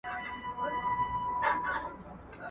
نه خمار وي نه مستي وي نه منت وي له مُغانه !.